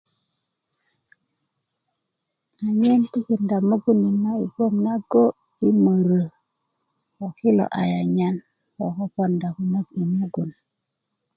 anyen tikida mugun net na i gboŋ nago' yi mörö ko kilo ayanyan lo ko ponda kunök i mugun